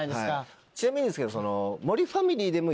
ちなみにですけど。